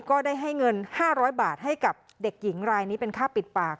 ก็ได้ให้เงิน๕๐๐บาทให้กับเด็กหญิงรายนี้เป็นค่าปิดปาก